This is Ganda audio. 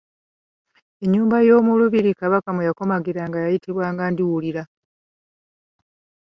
Ennyumba y’omu lubiri Kabaka mwe yakomagiranga yayitibwanga Ndiwulira.